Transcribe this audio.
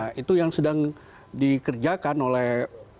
nah itu yang sedang dikerjakan oleh